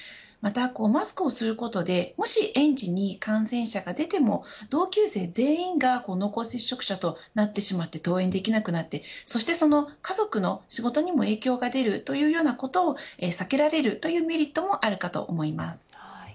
また、マスクをすることでもし園児に感染者が出ても同級生全員が濃厚接触者となってしまって登園できなくなってその家族の仕事にも影響が出るというようなことを避けられるというメリットもあるかと思います。